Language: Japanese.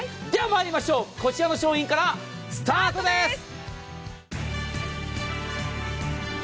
では、まいりましょう、こちらの商品からスタートです。